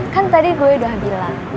kan tadi gue udah bilang